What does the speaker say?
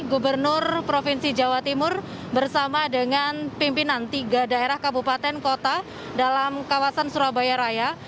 gubernur provinsi jawa timur bersama dengan pimpinan tiga daerah kabupaten kota dalam kawasan surabaya raya